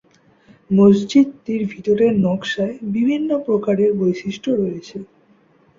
মসজিদটির ভিতরের নকশায় বিভিন্ন প্রকারের বৈশিষ্ট্য রয়েছে।